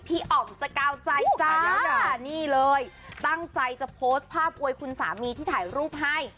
อ๋อมสกาวใจจ้านี่เลยตั้งใจจะโพสต์ภาพอวยคุณสามีที่ถ่ายรูปให้